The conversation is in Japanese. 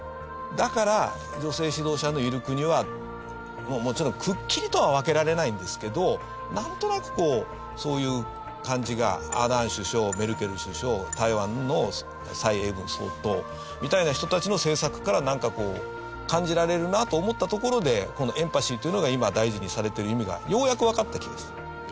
だから女性指導者のいる国はもちろんくっきりとは分けられないんですけどなんとなくそういう感じがアーダーン首相メルケル首相台湾の蔡英文総統みたいな人たちの政策からなんかこう感じられるなと思ったところでこのエンパシーというのが今大事にされてる意味がようやくわかった気がする。